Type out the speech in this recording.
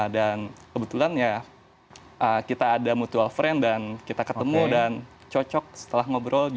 dan kebetulan ya kita ada mutual friend dan kita ketemu dan cocok setelah ngobrol